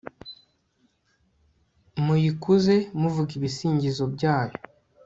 muyikuze muvuga ibisingizo byayo